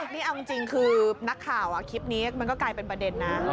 นี่เอาจริงคือนักข่าวคลิปนี้มันก็กลายเป็นประเด็นนะ